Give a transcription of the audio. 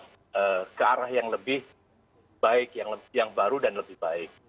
untuk ke arah yang lebih baik yang baru dan lebih baik